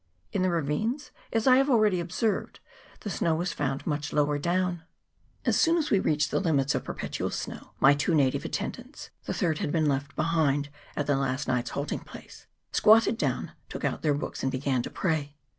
In the ra vines, as I have already observed, the snow was found much lower down. As soon as we had reached the limits of perpetual snow, my two native attendants (the third had been left behind at the last night's halting place) squatted down, took out their books, and began to pray.